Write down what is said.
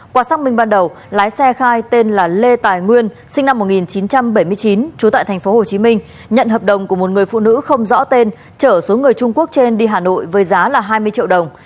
qua xác minh ban đầu lái xe khai tên là lê tài nguyên sinh năm một nghìn chín trăm bảy mươi chín trú tại tp hcm nhận hợp đồng của một người phụ nữ không rõ tên chở số người trung quốc trên đi hà nội với giá là hai mươi triệu đồng